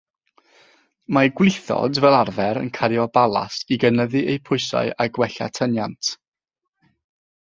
Mae gwlithod fel arfer yn cario balast i gynyddu eu pwysau a gwella tyniant.